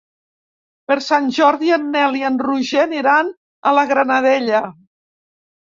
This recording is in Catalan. Per Sant Jordi en Nel i en Roger aniran a la Granadella.